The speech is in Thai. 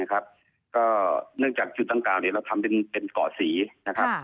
ก็เนื่องจากจุดดังกล่าวเราทำเป็นเกาะสีนะครับ